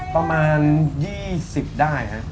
ประมาณ๒๐ได้ฮะ